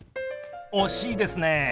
惜しいですね。